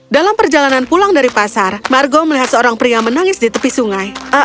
dalam perjalanan pulang dari pasar margo melihat seorang pria menangis di tepi sungai